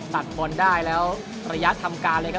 ตัดบอลได้แล้วระยะทำการเลยครับ